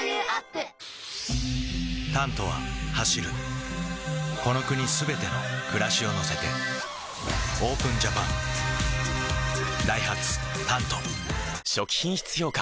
「タント」は走るこの国すべての暮らしを乗せてＯＰＥＮＪＡＰＡＮダイハツ「タント」初期品質評価